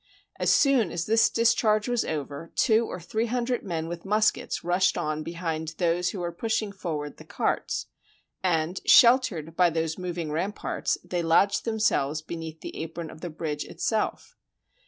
As soon as this discharge was over, two or three hun dred men with muskets rushed on behind those who were pushing forward the carts, and, sheltered by those mov ing ramparts, they lodged themselves beneath the apron of the bridge itself.